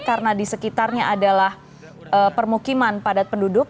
karena di sekitarnya adalah permukiman padat penduduk